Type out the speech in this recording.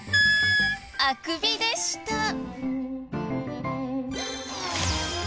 あくびでした。